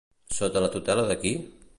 Sota la tutela de qui?